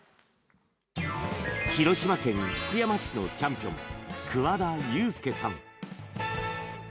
広島県福山市のチャンピオン桑田祐輔さん。